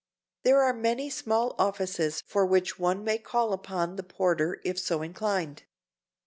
There are many small offices for which one may call upon the porter if so inclined.